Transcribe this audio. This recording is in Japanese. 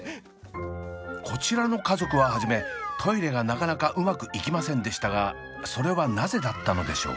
こちらの家族は初めトイレがなかなかうまくいきませんでしたがそれはなぜだったのでしょう？